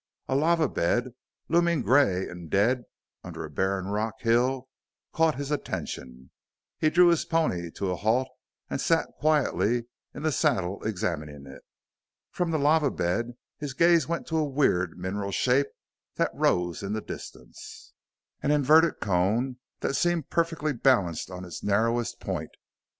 A lava bed, looming gray and dead under a barren rock hill, caught his attention, and he drew his pony to a halt and sat quietly in the saddle examining it. From the lava bed his gaze went to a weird mineral shape that rose in the distance an inverted cone that seemed perfectly balanced on its narrowest point.